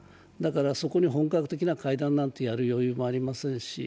そこに本格的な会談なんてやる余裕もありませんし。